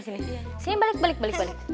sini balik balik balik